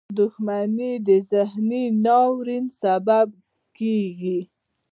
• دښمني د ذهني ناورین سبب کېږي.